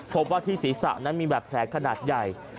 พบว่าที่ศีรษะนั้นมีแบบแผลขนาดใหญ่